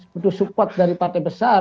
butuh support dari partai besar